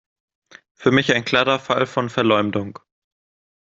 Für mich ein klarer Fall von Verleumdung.